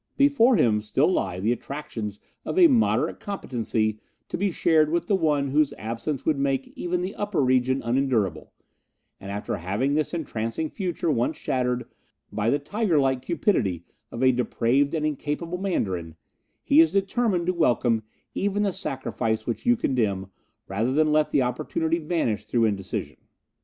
Before him still lie the attractions of a moderate competency to be shared with the one whose absence would make even the Upper Region unendurable, and after having this entrancing future once shattered by the tiger like cupidity of a depraved and incapable Mandarin, he is determined to welcome even the sacrifice which you condemn rather than let the opportunity vanish through indecision."